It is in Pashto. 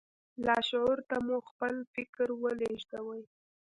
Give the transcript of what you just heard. لاشعور ته مو خپل فکر ولېږدوئ.